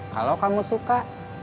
kalau kamu suka